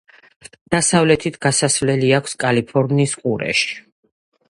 დასავლეთით გასასვლელი აქვს კალიფორნიის ყურეში.